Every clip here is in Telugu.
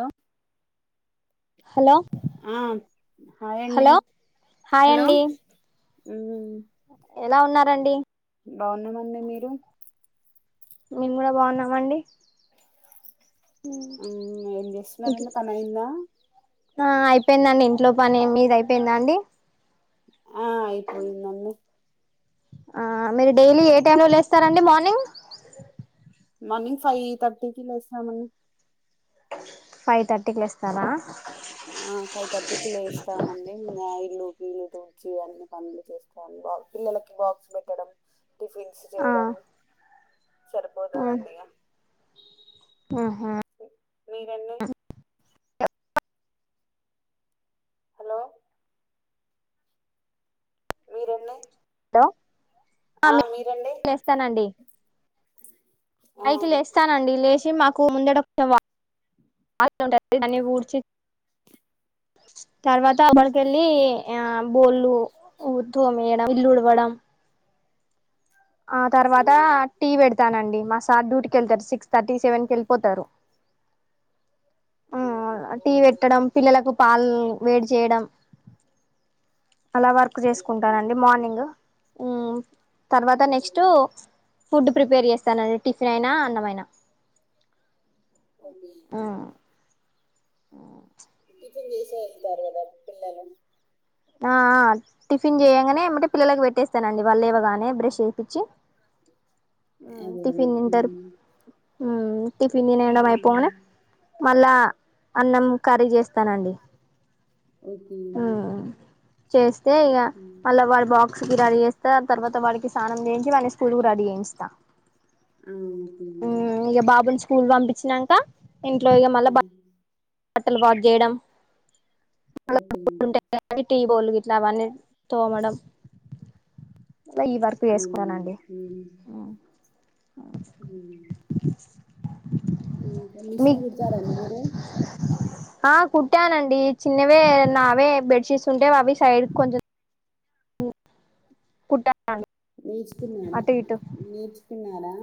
అలో హలో ఆ హాయ్ అండి హలో హాయ్ హలో అండి ఉమ్ ఎలా ఉన్నరండి? బాగున్నామండి మీరు మేము గూడా బాగున్నామండి ఏం చేస్సున్నారండి పనీ అయిందా? ఆ అయిపోయిందండి ఇంట్లో పని మీది అయిపోయిందా అండి. ఆ ఆయిపోయిందన్ని ఆ మీరు డైలీ ఏ టైమ్ లో లేస్తారండి మార్నింగ్ మార్నింగ్ ఫైవ్ థర్టీకిి లేస్తామన్ని ఫైవ్ థర్టీకి లేస్తారా? ఆ ఫైవ్ థర్టీకి తుచి అన్ని పనులు చేస్తాను బ పిల్లలకి బాక్స్ బేట్టడం టిఫిన్స్ ఆ చేయడం సరిపోతుందండి ఇగ ఆహా మీరన్నీ హలో మీరన్నీ హలో ఆ మీరన్ లేస్తానండి ఆ పైకి మ్మ్ లేస్తానండి లేచి మాకు ముందడ ఒక వాకిలి ఉంటది దాన్ని ఊడ్చి తర్వాత అడికెళ్ళి ఆ బోళ్ళు తోమేయడం, ఇల్లు ఉడవడం ఆ తర్వాత మ్మ్ టీ బేడతానండి మా సార్ డ్యూటీకెళ్తరు సిక్స్ థర్టీ సెవెన్ కెల్పోతరు. అ ఆ టీ బేట్టడం పిల్లలకు పాలు వేడి చేయడం అలా వర్క్ మ్మ్ చేసుకుంటానండి మార్నింగ్, ఉమ్ తర్వాత నెక్స్ట్ ఫుడ్ ప్రిపేర్ చేస్తానండి, టిఫినయినా అన్నమయినా అదే [inaudible] ఆ టిఫిన్ జేసే ఎల్తారు గద పిల్లలు ఆ ఆ టిఫిన్ చేయంగనే ఎమ్బెటే పిల్లలకు పెట్టేస్తానండి వాళ్ళేవగానే బ్రష్ చేపిచ్చి ఉమ్ అదే టిఫిన్ తింటరు, అండి టిఫిన్ దినడం అయిపొంగనే మళ్ళా అన్నం ఖర్రీ జేస్తానండి ఓకేనండి చేస్తే ఇగా మళ్ళ వాళ బాక్స్ రెడీ జేస్తా తర్వాత వాడికి సానం చేయించి వాన్నీ స్కూల్ కు రెడీ చేయిస్త. ఓకే అండి ఉమ్ ఇగ బాబుని స్కూల్ పంపించినంకా ఇంట్లో ఇగ మళ్ళా బట్ బట్టలు వాష్ చేేయడం ఓకేనండి టీ బోళ్ళు గిట్ల అవన్ని తోమడం లా ఈ వర్కు చేసుకున్నానండి అవునండి ఉమ్ మీ మిషీన్ గుడతార అండి మీరు? ఆ కుట్టానండి చిన్నవే నావే బెడ్షీట్స్ ఉంటే అవి సైడుక్కోన్చెం కుట్ట నేర్చుకున్నారా నేర్చుకున్నారా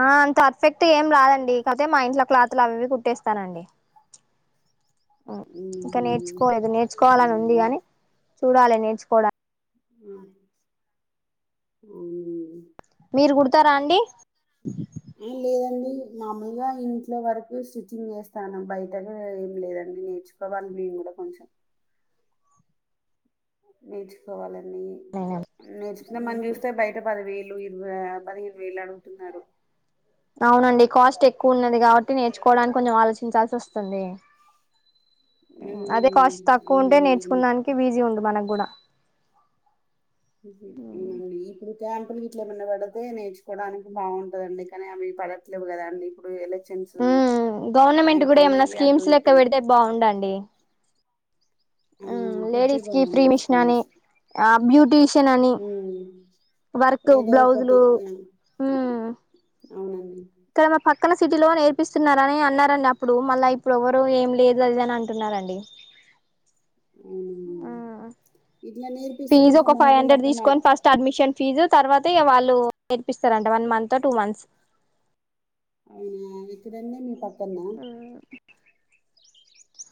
ఆ అంతర్ఫెక్ట్ ఏం రాదండి, కాక్పోతే మా ఇంట్ల క్లాత్లు అవివి కుట్టేస్తానండి. ఇంక నేర్చుకోలేదు నేర్చుకోవాలనుంది గాని చూడాలి నేర్చుకోవడా ఉమ్ అవునండి మీరు గుడుతరా అండి ఆ లేదండి మామలుగా ఇంట్లో వరకు స్టిచ్చింగ్ చేస్తాను బయటకు ఏం లేదండి నేర్చుకోవాలి నెంగూడ కొంచెం నేర్చుకోవాలండి నేర్చుకుందామని జూస్తే బయట పదివేలు ఇరవై పదిహేను వేలడుగుతున్నరు అవునండి కాస్ట్ ఎక్కువున్నది గాబట్టి నేర్చుకోవడానికొంచెం ఆలోచించాల్సోస్తుంది. హ్మ్ ఉమ్ అదే కాస్ట్ తక్కువుంటే అవునండి అవును. నేర్చుకుండానికి వీజీ ఉండు మనగ్గుడా ఉమ్ హు అవునండి ఈపుడు క్యాంపులు గిట్లేమన్న పడితే నేర్చుకోవడానికి బాగుంటదండి కనీ అవి పడట్లేవు గదా అండి ఇప్పుడు ఎలక్షన్స్ ఉమ్ గవర్నమెంట్ గుడా అయిపోయి ఏమన్న అటు స్కీమ్స్ ఇటు లెక్క అయి పెడితే బాగుండండి. ఆ ఉమ్ పెడితే లేడీస్ కి ఫ్రీ బాగుండు మిషన్ అని, స్కీమ్స్ ఆ బ్యూటీషియనని ఉమ్ వర్క్ ఏదో ఒకటి బ్లౌజులు ఆ, అవునండి క్కడ మ పక్ క్కన సిటీలో నేర్పిస్తున్నారని అన్నారండి అప్పుడు, మళ్ళా ఇప్పుడు ఒవ్వరు ఏం లేదు అది ఇదని అంటున్నారండి. [inaudible] అవునండి ఇట్ల నేర్ ఫీజొక ఫై హండ్రెడ్ తీసుకొని ఫస్ట్ అడ్మిషన్ ఫీజు తర్వాతిగ వాళ్ళు నేర్పిస్తరంట వన్ మంత్, టూ మంత్స్ అవునా ఎక్కడండి మీ పక్కన్న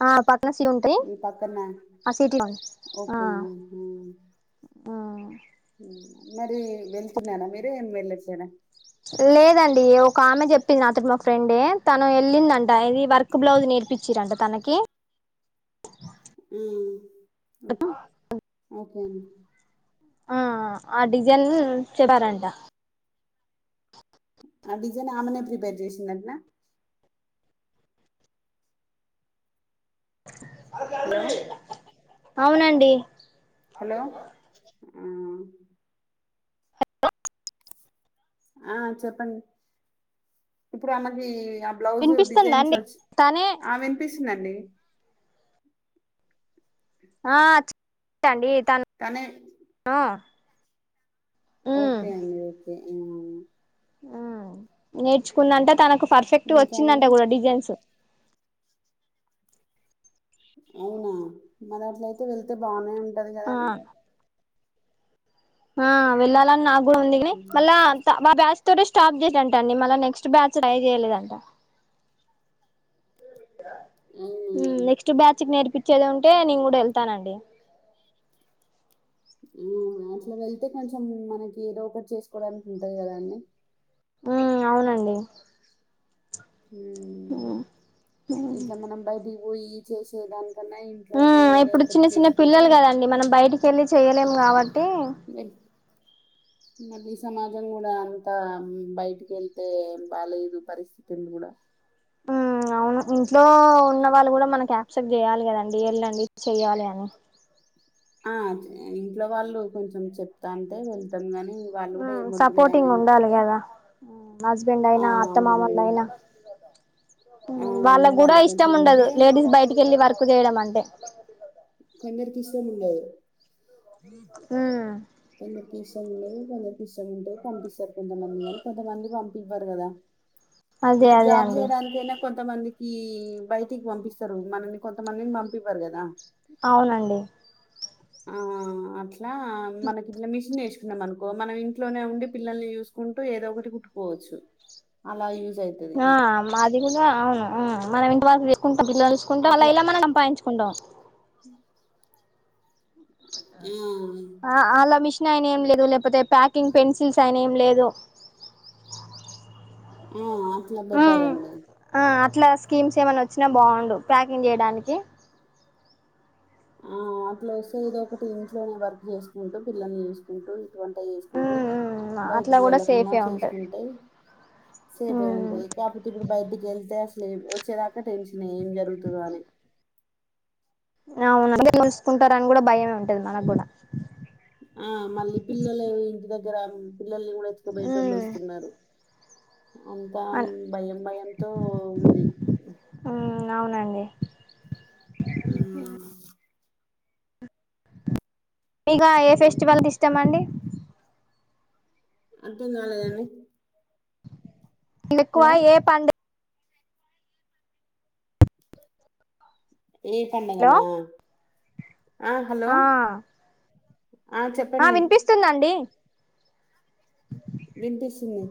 ఆ ప [unintelligible] మీ పక్కన ఆ ఓకే అండి ఆ మరీ వెళ్తున్నానా మీరేం వెళ్ళొచ్చేనా లేదండి ఒక ఆమె చెప్పింది నాతోటి మా ఫ్రెండే తను ఎళ్ళిందంట ఇది వర్క్ బ్లౌజ్ నే నేర్పించిరంట తనకి మ్ చెప్పు ఆ ఓకే అం ఆ ఆ డిజైన్ చెప్పారంట. ఆ డిజైన్ ఆమెనే ప్రిపేర్ చేసిందంటనా [inaudible] హలో అవునండి. హలో! ఆ ఆ చెప్పండి ఇప్పుడ్ ఆమకీ ఆ బ్లౌజు వినిపిస్తుందా డిజైన్స్ అండి వచ్ తనే ఆ విన్పిస్తుందండి. ఆ [inaudible] తను తనే ఆ ఓకే అండి ఓకే ఏమో ఆ నేర్చుకుందంట తనకు పర్ఫెక్ట్ ఇంకా వచ్చిందంట అండి గుడా డిజైన్స్ అవునా మరట్లయితే వెళ్తే బానే ఉంటది ఆ కదండి. ఆ వెళ్ళాలని నాక్ గుడా ఉంది కని మళ్ళా అంత మా బ్యాచ్ తోటే స్టాప్ చేస అంట అండి మళ్ళ నెక్స్ట్ బ్యాచ్ ట్రై చేయలేదంట. మ్ అవును నెక్స్ట్ బ్యాచ్క్ నేర్పి చ్చేదుంటే నేన్ కూడా ఎళ్తానండి. ఆ అట్ల వెళ్తే కొంచం మనకి ఏదో ఒకటి చేస్కోడానికి ఉంటది కదా అండి. ఉమ్ అవునండి. ఇట్ల మనం బయటికి పోయి చేసేదాని మ్ ఇప్పుడు చిన్న చిన్న పిల్లలు కదండి మనం బయటికెళ్ళి చెయ్యలేం కావట్ వెల్ [inaudible] మళ్ళీ సమాజం కూడా అంతా బయటికెళ్తే బాలేదు పరిస్థితులు గుడా ఉమ్ [inaudible] అవును ఇంట్లో ఉన్న వాళ్ళు గుడా మనక్ యాక్సెప్ట్ చేయాలి కదండి ఎళ్ళండి చేయాలి అని ఆ ఇంట్లో వాళ్ళు కొంచం చెప్తాన్టే ఎళ్తాం గని వాళ్ళు గుడా ఉమ్ ఏం వద్దులే అని సపోర్టింగ్ ఉండాలి ఊకుంటే కదా హస్బెండ్ ఆ! అయినా అత్త అవునండి. మామల్లైనా ఆ! వాళ్ళక్ గుడా ఉండాలి ఇష్టం కొంచెం ఉంటే ఉండదు లేడీస్ బయటికెళ్ళి వర్కు చేయడం అంటే కొందరికి ఇష్టం ఉండదు. మ్ హ కొందరికి ఇష్టం ఉండది కొందరికి ఇష్టం ఉంటది పంపిస్తార్ కొంతమంది కాని కొంతమంది పం పివ్వర్ కదా అదే ఇప్పుడు అదే జాబ్ అండి చేయడానికైనా కొంతమంది ఈ బయటిక్ పంపిస్తరు మనల్ని కొంతమందిన్ పంపివ్వరు కదా అవునండి. ఆ అట్లా మనకిట్లా మిషన్ నేర్చుకున్నాం మనుకో మనం ఇంట్లోనే ఉండి పిల్లల్ని చూస్కుంటూ ఏదో ఒకటి కుట్టుకోవచ్చు. అలా యు ఆ మాది గుడా అవును మనం ఇంటి [unintelligible] [inaudible] అలా ఇలా మనం సంపాదింకుంటాం హ ఉ ఇంగా ఆయన ఏం లేవలే లేదా ప్యాకింగ్ పెన్సిల్స్ అయినా ఏం లేదు ఉ అట్లా బెట్టారండి ఆ అట్లా స్కీమ్స్ ఏమైన్నా వచ్చినా బాగుండు ప్యాకింగ్ చేయడానికి ఆ అట్లా వస్తే ఇదో ఒకటి ఇంట్లోనే వర్క్ చేసుకుంటూ పిల్లల్ని చూసుకుంటూ వంట చేసుకుంటూ అట్లా బయటికి కూడా వెళ్ళకుండా సేఫే ఉంటది చేసుకుంటే సేపే ఉంటాంది కాకపోతే ఇప్పుడు బయటికి వెళ్తే అసలే వచ్చేదాకా టెన్స్ ఏం జరుగుతుందో అని అవును ఉంచకుంటార అని కూడా భయమే ఉంటది మనకు కూడా ఆ! మళ్ళీ పిల్లలు ఇంటి దగ్గర పిల్లల్ని కూడా ఎతుకు పోయేటోళ్లు వస్తున్నారు అంత భయం భయంతో ఉంది అవునండి ఊ మీక ఏ హ్మ్. ఫెస్టివల్ ఇష్టం అండి అర్థం కాలేదండి ఎక్కువ హలో! ఏ పండ్ ఏ పండగనా ఆ హలో ఆ వినిపిస్తుందండి వినిపిస్తుంది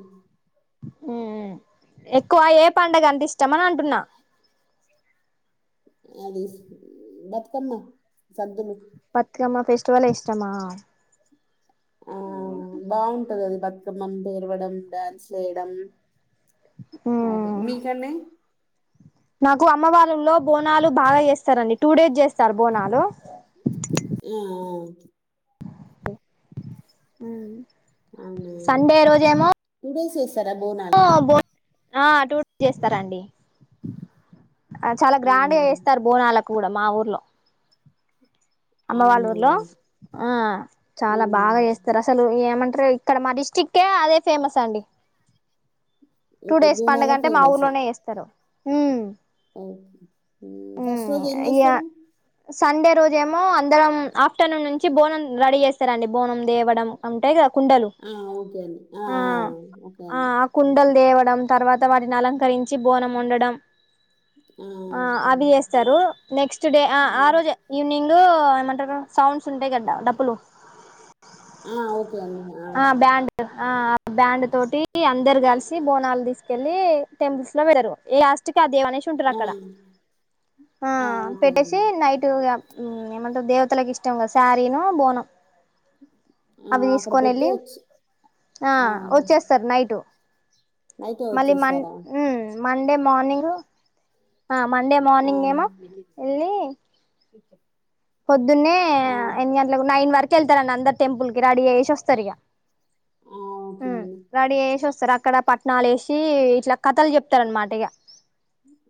ఉ ఉ ఎక్కువ ఏ పండగ అంటే ఇష్టమని అంటున్నా అది బతుకమ్మ సద్దులు బతుకమ్మ ఫెస్టివల్ ఇష్టమా ఆ బాగుంటది అది బతుకమ్మం పేరవడం డ్యాన్స్ ఏయడం అదే మ్మ్ మీకండి నాకు అమ్మ వార్లలో బోనాలు బాగా చేస్తారండి టూ డేస్ చేస్తారు బోనాలు ఆ ఉ అవునా టూ డేస్ చేస్తారా బోనాల బో ఆ అ టూ చేస్తారండి ఆ చాలా గ్రాండ్గా చేస్తారు బోనాలకు కూడా మా ఊర్లో అమ్మ వాళ్ళ అవునా ఊర్లో ఆ చాలా ఉమ్ బాగా చేస్తారు అసలు ఏమన్ టరు ఇక్కడ మా డిస్ట్రిక్కే అదే ఫేమస్ అండి టూ ఓకే డేస్ పండగ బోనాలే అంటే మా ఫేమస్ ఊర్లోనే చేస్తారు ఉ ఓకే ఫస్ట్ రోజు ఏం ఇగ చేస్తారు సండే రోజేమో అందరం ఆఫ్టర్నూన్ నుంచి బోనం రెడీ చేస్తారండి బోనం తేవడం అంటే కదా కుండలు ఆ ఓకే అండి ఆ ఓకే ఆ ఆ కుండలు తేవడం తర్వాత వాటిని అలంకరించి బోనం వండడం ఓకే అండి ఆ ఓకే అవి అండి చేస్తారు నెక్స్ట్ డే ఆ ఆ ఉమ్ రోజే ఈవినింగ్ డు ఏమంటారు సౌండ్స్ ఉంటాయి కదా డప్పులు ఆ అవుతాయండి ఆ బ్యాండ్ ఆ ఆ బ్యాండ్ తోటి అందరు కలిసి బోనాలు తీస్ కెళ్లి టెంపుల్స్ లో వెడరు ఈ లాస్ట్ అదేవనేసి ఉంటారు ఆ అక్కడ ఆ ఓకే పెట్టేసి అండి నైటు ఇగ ఉ ఏమంట దేవతలకు ఇష్టం కదా శారీను, బోనం ఆ అవి అక్కడ తీసుకొని పెట్టి వెళ్ళి వచ్చి ఆ వచ్చేస్ ఇటు నైటే మళ్ళీ మన్ వచ్చేస్తారా ఉ మండే మార్నింగ్ మండే ఆ మార్నింగ్ ఏమో ఎల్లీ పొద్దున్నే ఆ ఎన్ని గంటలకు నైన్ వర్ వెళ్తారా నా అందర్ టెంపుల్కి రెడి అయేసి వస్తారు ఇగ ఆ ఓకే అండి అక్కడ వేసి వస్తరు అక్కడ పట్నాలు వేసి ఇట్లా కథలు చెప్తరు అన్మాట ఇగ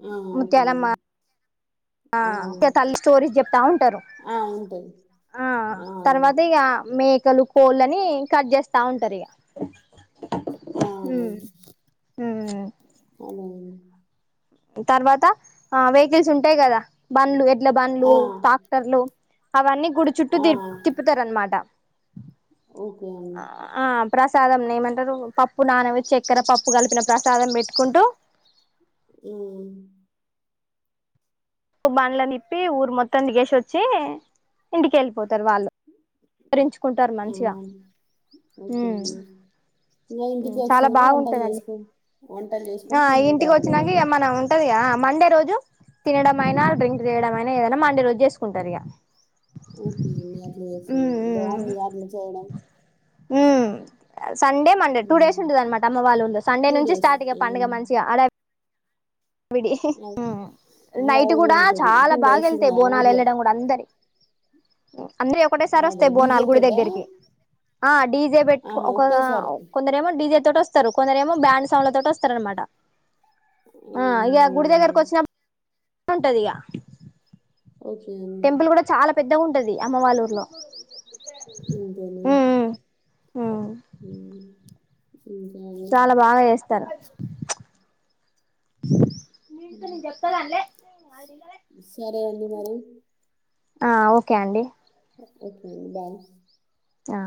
ఆ ఓకే ముత్యాలమ్మ ఓకే ఆ తల్లి స్టోరీస్ చెప్తా ఉంటారు ఆ ఉంటాయి ఆ ఆ తర్వాత ఇగ మీ లు కోళ్ళని కట్ చేస్తా ఉంటారు ఇగ ఆ ఉ అదే తర్వాత ఆ వెహికల్స్ ఉంటాయి కదా బండ్లు ఇట్ల బండ్లు ఆ! టాక్టర్లు అవన్నీ గుడి చుట్టూ ఆ! డిప్ తిప్పుతరు అన్మాట ఓకే అండి ఆ ప్రసాదం ఏమంటరు పప్పు నానబెట్టి న చక్కెర పప్పు కలిపిన ప్రసాదం పెట్టుకుంటూ ఊ బండ్ల నిప్పి ఊరు మొత్తం దిగే సి వచ్చి ఇంటికి వెళ్ళిపోతారు వాళ్ళు వివరించుకుంటారు మంచిగా ఓకేం ఉమ్ ఇంటికి చాలా వచ్చినాక వంటలు బాగుంటదండి చేసుకని వంటలు చేసుకొని తింటారు కదా ఇగా ఉంటదిగా మండే రోజు తినడంమైనా డ్రింక్ తీయడం మైనా ఏదైనా మండే రోజు చేసుకుంటారు ఇగ ఓకే అండి అట్లా చేస్తాను బాగుంది అట్లా చేయడం ఊ ఆ సండే మండే టూ డేస్ హ్మ్. ఉంటది అనమాట అమ్మ వాళ్ళ ఉంది సండే నుంచి డేస్ స్టాట్ ఇగ పండగ హ్మ్. మంచిగా అలా ఆవిడి అదే నైట్ హడావుడి కూడా ఉంటది. చాలా బాగా డేస్ ఇంగ వెళ్తాయి బోనాలు ఊర్లో వెళ్ళడం కూడా అందరి అందరే ఒకటేసారి అదే వస్తాయి డీజే బోనాల్ గుడి తోటా? దగ్గరికి ఆ డి జే బెట్టు ఆహా! ఒక ఒకేసారి. కొందర ఏమో డీజే తోటస్తరు కొందరు ఏమో బ్యాండ్ సౌండ్ల తో వస్తార అనమాట ఆ హ్మ్. ఇక గుడి అవునండి. దగ్గరకు వచ్చినప్పుడు ఉంటది ఇక ఓకే అండి టెంపుల్ కూడా చాలా పెద్దగా ఉంటది అమ్మవరూర్లో అంతేని ఉమ్ చాలా బాగా జేస్తరు మీతో నేను జెప్తా గని లే సరే అండి మరి ఆ ఓకే అండి ఓకే డన్ ఆ